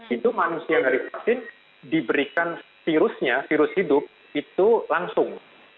itu manusia yang harus divaksin diberikan virusnya virus hidup itu langsung